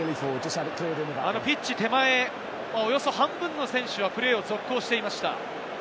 ピッチ手前、およそ半分の選手はプレーを続行していました。